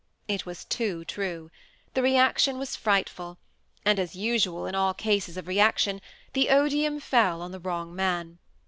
It was too true : the reaction was frightful, and, as usual in all cases of reaction, the oditim fell on the wrong man.